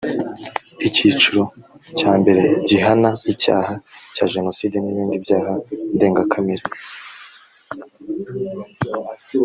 icyiciro cya mbere gihana icyaha cya jenoside nibindi byaha ndengakamere.